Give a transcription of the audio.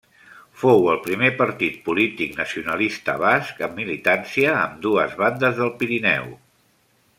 Fou el primer partit polític nacionalista basc amb militància a ambdues bandes del Pirineu.